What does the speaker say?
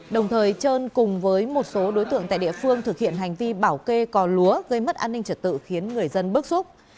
đồng thời trơn cùng với một số đối tượng tại địa phương thực hiện hành vi bảo kê cò lúa gây mất an ninh trật tự khiến người dân bức xúc